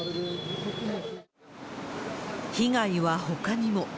被害はほかにも。